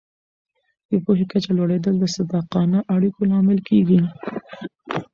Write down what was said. د پوهې کچه لوړېدل د صادقانه اړیکو لامل کېږي.